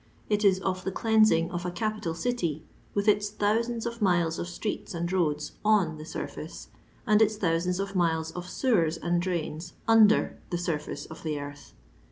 It is of the cleansing of a capital city, with its thousands of miles of streets and roads 0/4 the surface, and its thousands of miles of sewers and drains under the surface of the earth.